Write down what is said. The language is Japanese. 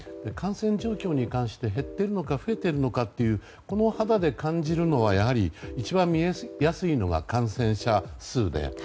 感染状況に関して減っているのか増えているのかを肌で感じるのはやはり一番見えやすいのは感染者数で。